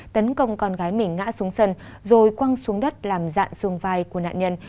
tấn công con gái mình ngã xuống sân rồi quăng xuống đất làm dạn xuống vai của nạn nhân